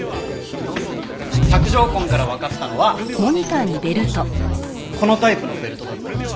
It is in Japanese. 索条痕からわかったのはこのタイプのベルトだったよ。